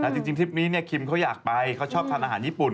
จริงทริปนี้คิมเขาอยากไปเขาชอบทานอาหารญี่ปุ่น